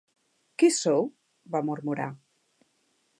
"Qui sou?", va murmurar.